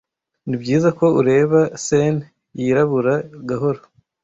nibyiza ko ureba seine yirabura gahoro